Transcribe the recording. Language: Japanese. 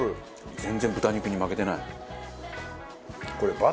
全然豚肉に負けてない。